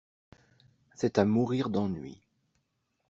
C'est à mourir d'ennui.